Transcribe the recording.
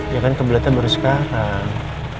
ya kan ke toiletnya baru sekarang